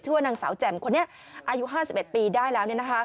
ว่านางสาวแจ่มคนนี้อายุ๕๑ปีได้แล้ว